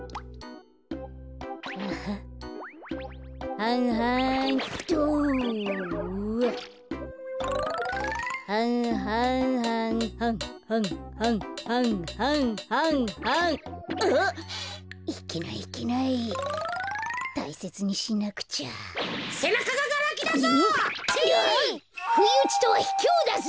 ふいうちとはひきょうだぞ。